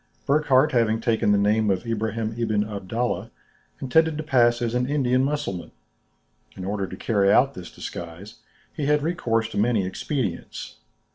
Burckhardt, having taken the name of Ibrahim Ibn Abdallah, intended to pass as an Indian Mussulman. In order to carry out this disguise, he had recourse to many expedients.